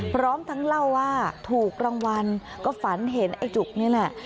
พร้อมทั้งเล่าว่าถูกรางวัลก็ฝันเห็นไอ้จุกนี่แหละ